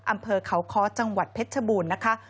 อำเภอเขาค้อจังหวัดเพชรชบูรณ์นะคะ